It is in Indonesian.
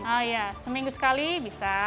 oh iya seminggu sekali bisa